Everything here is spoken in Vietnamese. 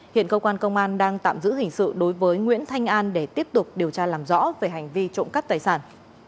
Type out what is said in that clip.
hiện cơ quan công an đang tạm giữ hình sự đối với nguyễn thanh an để tiếp tục điều tra làm rõ về hành vi trộm cắp tài sản